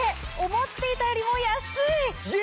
思っていたよりも安い！